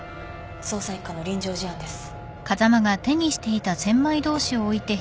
捜査一課の臨場事案です。